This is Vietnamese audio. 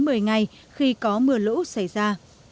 tuổi ngày khi có mưa lũ xảy ra